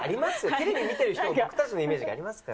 テレビ見ている人も、僕たちのイメージがありますから。